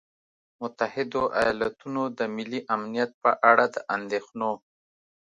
متحدو ایالتونو د ملي امنیت په اړه د اندېښنو